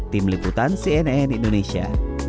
tim liputan cnn indonesia